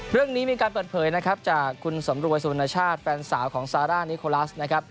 เรื่องนี้มีการเปิดเผยนะครับจากคุณสำรวยสุวรรณชาติแฟนสาวของซาร่านิโคลัสนะครับ